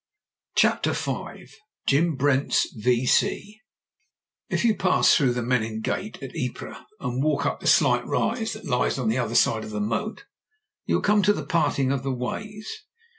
CHAPTER V JIM brent's V.C. IF you pass through the Menin Gate at Ypres, and walk up the slight rise that lies on the other side of the moat, you will come to the parting of the ways.